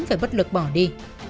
hắn phải bất lực bỏ đi